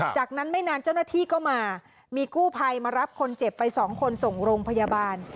จากนั้นไม่นานเจ้าหน้าที่ก็มามีกู้ภัยมารับคนเจ็บไป๒คนส่งโรงพยาบาล